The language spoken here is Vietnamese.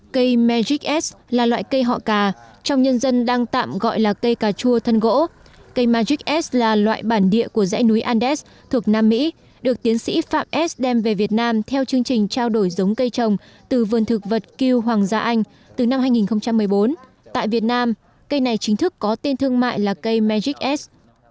cây magic s là loại cây họ cà trong nhân dân đang tạm gọi là cây cà chua thân gỗ cây magic s là loại bản địa của dãy núi andes thuộc nam mỹ được tiến sĩ phạm s đem về việt nam theo chương trình trao đổi giống cây trồng từ vườn thực vật kiêu hoàng gia anh từ năm hai nghìn một mươi bốn tại việt nam cây này chính thức có tên thương mại là cây magic s